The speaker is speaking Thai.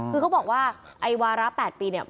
คือเขาบอกว่าไอ้วาระ๘ปีเนี่ย